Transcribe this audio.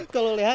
kalau lewat sini